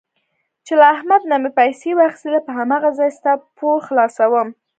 چې له احمد نه مې پیسې واخیستلې په هماغه ځای ستا پور خلاصوم.